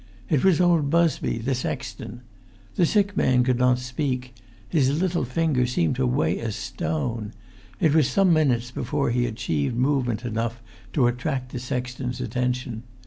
It was old Busby, the sexton. The sick man could not speak; his little finger seemed to weigh a stone; it was some minutes before he achieved movement enough to attract the sexton's attention.